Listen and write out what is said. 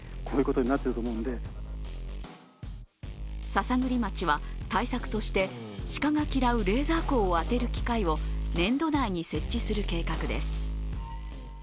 篠栗町は対策として鹿が嫌うレーザー光を当てる機械を年度内に設置する計画です。